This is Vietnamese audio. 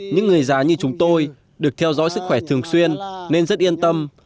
những người già như chúng tôi được theo dõi sức khỏe thường xuyên nên rất yên tâm